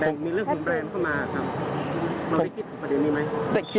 แต่งมีเรื่องของแบรนด์เข้ามาครับเราได้คิดถึงประเด็นนี้ไหม